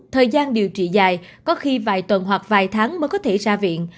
thời gian điều trị dài có khi vài tuần hoặc vài tháng mới có thể ra viện